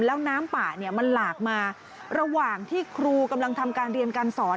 แล้วน้ำป่าเนี่ยมันหลากมาระหว่างที่ครูกำลังทำการเรียนการสอน